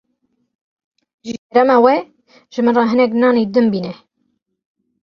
Ji kerema we, ji min re hinek nanê din bîne.